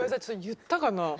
言ったかな？